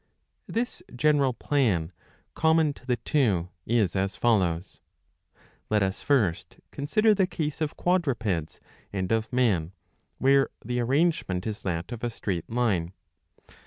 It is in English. * This general plan, common to the two, is as follows. Let us first consider the case of quadrupeds and of man, where the arrangement is that of a straight line.